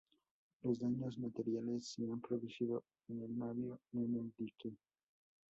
Los daños materiales se han producido en el navío y en el dique.